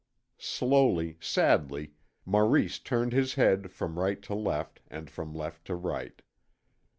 Slowly, sadly, Maurice turned his head from right to left, and from left to right.